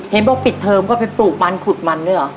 เห็นบอกปิดเทอมก็ไปปลูกมันขุดมันด้วยเหรอ